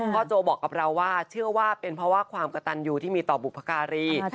โจบอกกับเราว่าเชื่อว่าเป็นเพราะว่าความกระตันอยู่ที่มีต่อบุพการี